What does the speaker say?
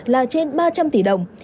là trên ba trăm linh tỷ đồng